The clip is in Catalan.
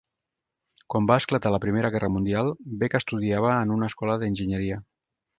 Quan va esclatar la Primera Guerra Mundial, Beck estudiava en una escola d'enginyeria.